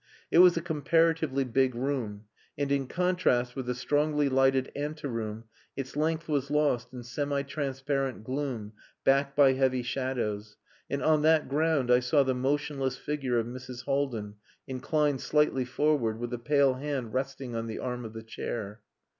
It was a comparatively big room, and in contrast with the strongly lighted ante room its length was lost in semi transparent gloom backed by heavy shadows; and on that ground I saw the motionless figure of Mrs. Haldin, inclined slightly forward, with a pale hand resting on the arm of the chair.